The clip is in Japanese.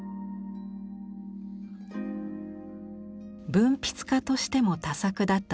文筆家としても多作だった野見山さん。